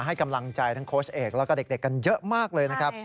ให้กำลังใจทั้งโค้ชเอกแล้วก็เด็กกันเยอะมากเลยนะครับ